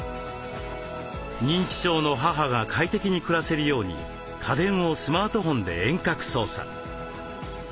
認知症の母が快適に暮らせるように家電をスマートフォンで遠隔操作。